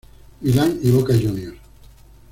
Milan y Boca Juniors.